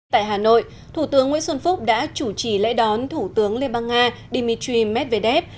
tại hà nội thủ tướng nguyễn xuân phúc đã chủ trì lễ đón thủ tướng liên bang nga dmitry medvedev